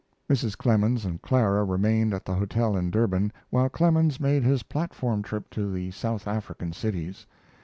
Mrs. Clemens and Clara remained at the hotel in Durban while Clemens made his platform trip to the South African cities.